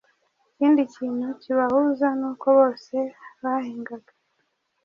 ikindi kintu kibahuza n’uko bose bahingaga